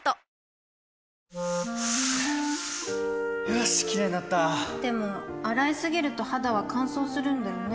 よしキレイになったでも、洗いすぎると肌は乾燥するんだよね